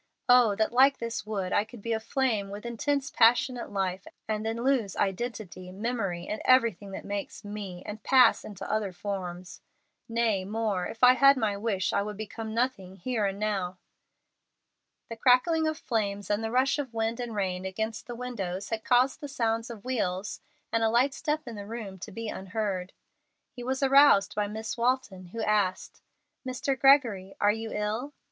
Oh that, like this wood, I could be aflame with intense, passionate life, and then lose identity, memory, and everything that makes me, and pass into other forms. Nay, more, if I had my wish, I would become nothing here and now." The crackling of flames and the rush of wind and rain against the windows had caused the sound of wheels, and a light step in the room, to be unheard. He was aroused by Miss Walton, who asked, "Mr. Gregory, are you ill?"